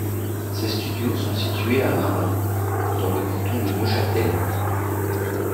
Ses studios sont situés à Marin, dans le canton de Neuchâtel.